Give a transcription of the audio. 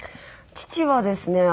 父はですね